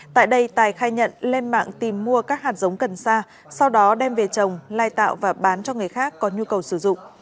tại đây tài khai nhận lên mạng tìm mua các hạt giống cần sa sau đó đem về trồng lai tạo và bán cho người khác có nhu cầu sử dụng